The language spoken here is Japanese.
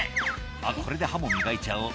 「あっこれで歯も磨いちゃおう」